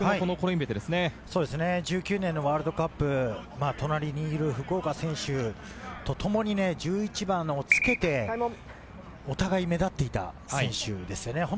１９年のワールドカップ、隣にいる福岡選手とともに１１番をつけて、お互い目立っていた選手ですよね。